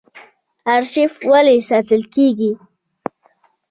ارشیف ولې ساتل کیږي؟